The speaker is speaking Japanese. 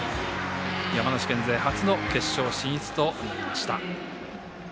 山梨県勢初の決勝進出となりました。